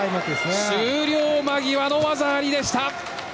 終了間際の技ありでした。